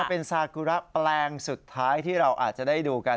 เป็นซากุระแปลงสุดท้ายที่เราอาจจะได้ดูกัน